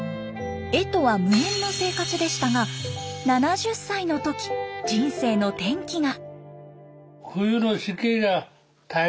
絵とは無縁の生活でしたが７０歳の時人生の転機が。